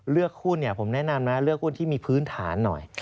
เลือกหุ้นผมแนะนำไหมเลือกหุ้นที่มีพื้นฐานหน่อย